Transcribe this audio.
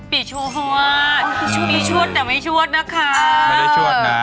ปีชวดมีชวดแต่ไม่ชวดนะคะ